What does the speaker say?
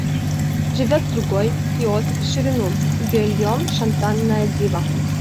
Живет с другой — киоск в ширину, бельем — шантанная дива.